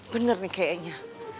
bener nih kayaknya